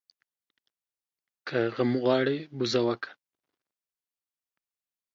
که غم غواړې ، بزه وکه.